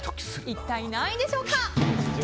一体何位でしょうか？